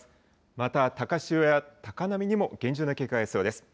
また、高潮や高波にも厳重な警戒が必要です。